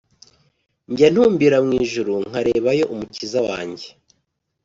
Njya ntumbira mu ijuru nkarebayo umukiza wanjye